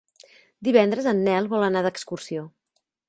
Divendres en Nel vol anar d'excursió.